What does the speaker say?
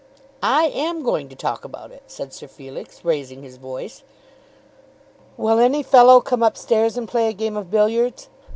"I am going to talk about it," said Sir Felix, raising his voice. "Will any fellow come up stairs and play a game of billiards?"